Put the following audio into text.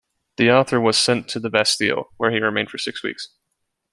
The author was sent to the Bastille, where he remained for six weeks.